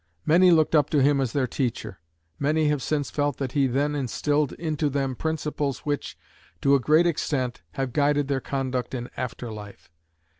Many looked up to him as their teacher; many have since felt that he then instilled into them principles, which, to a great extent, have guided their conduct in after life.